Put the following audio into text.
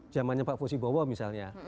jamanya pak fusi bawa misalnya